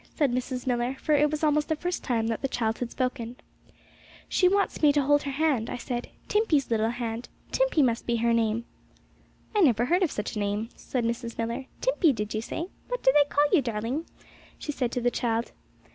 said Mrs. Millar, for it was almost the first time that the child had spoken. 'She wants me to hold her little hand,' I said, 'Timpey's little hand. Timpey must be her name!' 'I never heard of such a name,' said Mrs. Millar. 'Timpey, did you say? What do they call you, darling?' she said to the child.